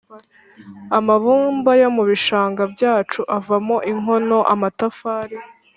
amabumba yo mu bishanga byacu avamo inkono, amatafari…